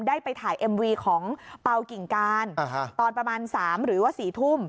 ได้ไปถ่ายเอ็มวีของเปล่ากิ่งการตอนประมาณ๓หรือว่า๔ทุ่ม